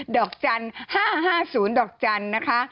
ดอกจันทร์๕๕๐ดอกจันทร์นะคะ